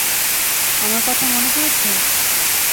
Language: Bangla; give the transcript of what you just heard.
আমার কথা মনে পড়েছে?